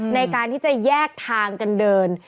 ในการที่จะแยกทางกันเดิน